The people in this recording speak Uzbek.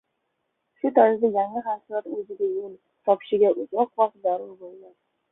shu tarzda yangi haqiqat o‘ziga yo‘l topishiga uzoq vaqt zarur bo‘ladi.